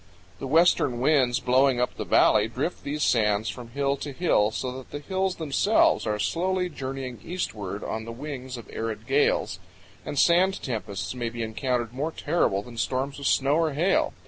The western winds blowing up the valley drift these sands from hill to hill, so that the hills themselves are slowly journeying eastward on the wings of arid gales, and sand tempests may be encountered more terrible than storms of snow or hail.